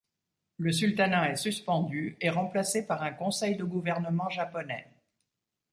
Le sultanat est suspendu et remplacé par un conseil de gouvernement japonais.